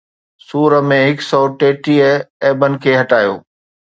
سُور ۾ هڪ سؤ ٽيٽيهه عيبن کي هٽايو